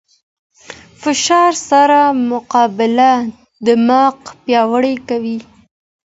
فشار سره مقابله دماغ پیاوړی کوي.